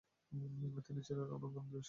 তিনি ছিলেন রণাঙ্গনের বীর সৈনিক।